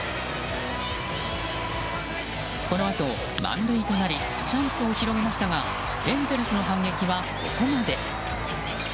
このあと満塁となりチャンスを広げましたがエンゼルスの反撃はここまで。